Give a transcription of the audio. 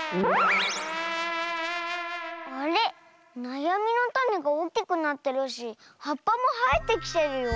なやみのタネがおおきくなってるしはっぱもはえてきてるよ。